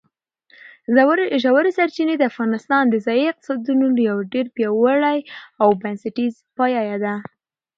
ژورې سرچینې د افغانستان د ځایي اقتصادونو یو ډېر پیاوړی او بنسټیز پایایه دی.